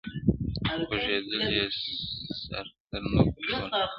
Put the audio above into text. خوږېدل یې سرتر نوکه ټول هډونه -